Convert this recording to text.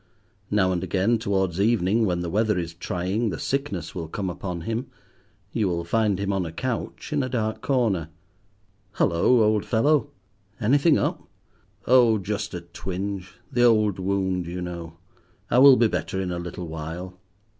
Now and again, towards evening, when the weather is trying, the sickness will come upon him. You will find him on a couch in a dark corner. "Hallo! old fellow, anything up?" "Oh, just a twinge, the old wound, you know. I will be better in a little while."